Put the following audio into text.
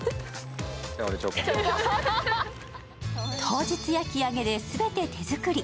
当日焼き上げで、全て手作り。